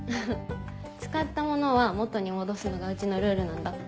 使った物は元に戻すのがうちのルールなんだ。